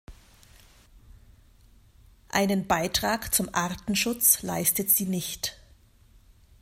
Einen Beitrag zum Artenschutz leistet sie nicht.